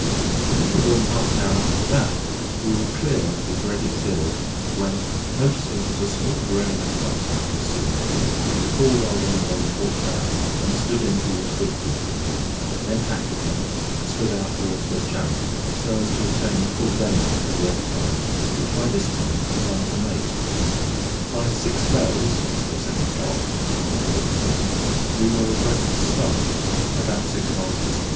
In little more than half an hour after that we were clear of the dreaded Bill, when, noticing that a small drain of flood tide was still making, we hauled our wind on the port tack, and stood in towards Bridport for an hour; then tacked again, and stood out towards mid Channel, so as to obtain the full benefit of the ebb tide, which by this time had begun to make. By "six bells," or seven o'clock, on the following morning we were abreast the Start, about six miles distant.